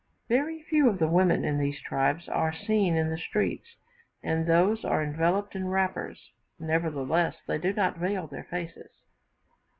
Very few of the women of these tribes are seen in the streets, and those are enveloped in wrappers; nevertheless, they do not veil their faces.